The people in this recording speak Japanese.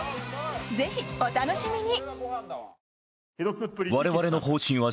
ぜひ、お楽しみに。